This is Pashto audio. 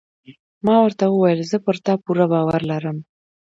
ما ورته وویل: زه پر تا پوره باور لرم.